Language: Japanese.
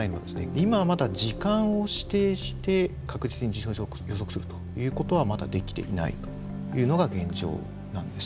今はまだ時間を指定して確実に地震を予測するということはまだできていないというのが現状なんです。